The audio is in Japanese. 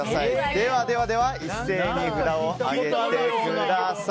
では一斉に札を上げてください。